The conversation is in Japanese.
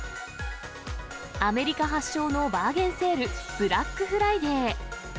アメリカ発祥のバーゲンセール、ブラックフライデー。